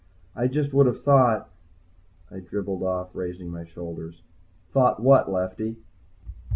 I just would have thought..." I dribbled off, raising my shoulders. "Thought what, Lefty?"